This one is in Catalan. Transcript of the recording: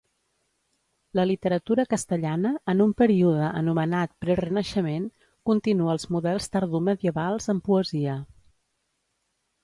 La literatura castellana, en un període anomenat prerenaixement, continua els models tardomedievals en poesia.